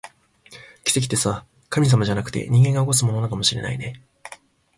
奇跡ってさ、神様じゃなくて、人間が起こすものなのかもしれないね